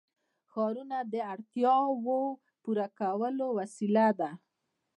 ښارونه د اړتیاوو د پوره کولو وسیله ده.